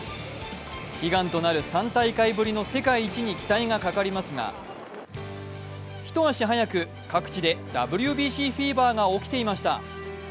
悲願となる３大会ぶりの世界一に期待がかかりますが一足早く各地でＷＢＣフィーバーが起きていました。